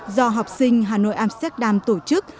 do học sinh hà nội amsterdam tổ chức